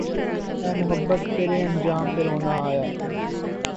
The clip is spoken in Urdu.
اے محبت تیرے انجام پہ رونا آیا